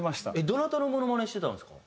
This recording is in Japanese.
どなたのモノマネしてたんですか？